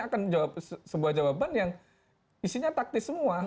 akan menjawab sebuah jawaban yang isinya taktis semua